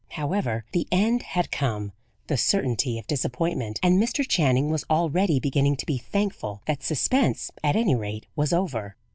However, the end had come the certainty of disappointment; and Mr. Channing was already beginning to be thankful that suspense, at any rate, was over.